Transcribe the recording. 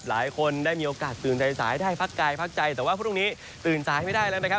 หลายคนได้มีโอกาสตื่นใจสายได้พักกายพักใจแต่ว่าพรุ่งนี้ตื่นสายไม่ได้แล้วนะครับ